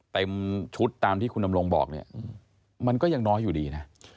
เต็มชุดตามที่คุณดำรงบอกเนี่ยมันก็ยังน้อยอยู่ดีนะ